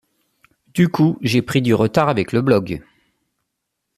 Du coup j’ai pris du retard avec le blog.